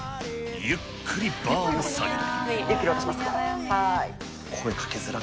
ゆっくりバーを下げる。